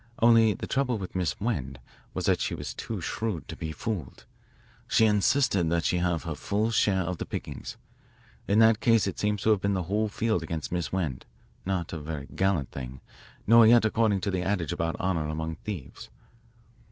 Only the trouble with Miss Wend was that she was too shrewd to be fooled. She insisted that she have her full share of the pickings. In that case it seems to have been the whole field against Miss Wend, not a very gallant thing, nor yet according to the adage about honour among thieves.